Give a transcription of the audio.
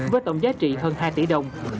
với tổng giá trị hơn hai tỷ đồng